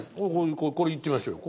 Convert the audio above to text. これいってみましょうよ。